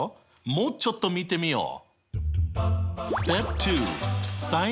もうちょっと見てみよう！